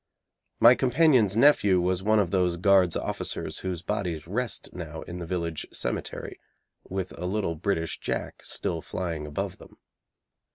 My companion's nephew was one of those Guards' officers whose bodies rest now in the village cemetery, with a little British Jack still flying above them.